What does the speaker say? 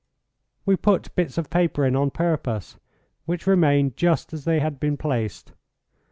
"We put bits of paper in on purpose, which remained just as they had been placed.